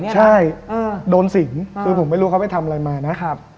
ใช่โดนสิงคือผมไม่รู้เขาไปทำอะไรมานะ